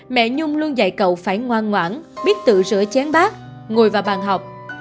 mẹ nhung luôn dạy cậu phải ngoan ngoãn biết tự rửa chén bác ngồi vào bàn học